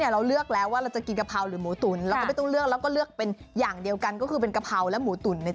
แล้วก็ขายร้อนได้เหมือนกันนะครับ